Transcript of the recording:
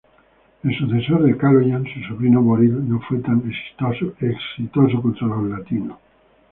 El sucesor de Kaloyan, su sobrino Boril no fue tan exitoso contra los latinos.